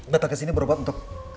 datang kesini berobat untuk